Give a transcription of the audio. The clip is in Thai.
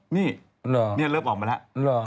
นี่เนี่ยเลิฟออกมาแล้ว